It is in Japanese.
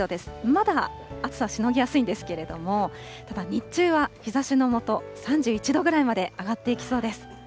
まだ暑さ、しのぎやすいんですけれども、ただ、日中は日ざしの下、３１度ぐらいまで上がっていきそうです。